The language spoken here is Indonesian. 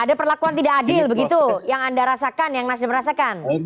ada perlakuan tidak adil begitu yang anda rasakan yang nasdem rasakan